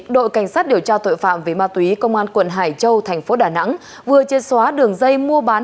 đội cảnh sát điều tra tội phạm về ma túy công an quận hải châu tp đà nẵng vừa chênh xóa đường dây mua bán